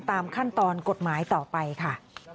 ตามขั้นตอนกฎหมายต่อไปค่ะ